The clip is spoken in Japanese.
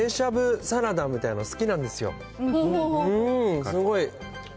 冷しゃぶサラダみたいなの好きなんですよ。